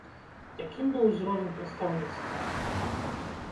Якім быў узровень прадстаўніцтва?